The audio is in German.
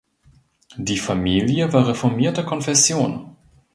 Die Familie war reformierter Konfession.